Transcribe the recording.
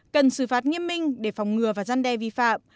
cần xử phạt nghiêm minh để phòng ngừa và gian đe vi phạm